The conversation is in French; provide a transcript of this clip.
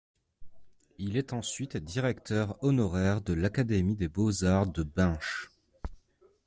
Il est ensuite directeur honoraire de l'Académie des Beaux-Arts de Binche.